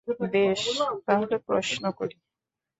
বেশ, তাহলে প্রশ্ন করি।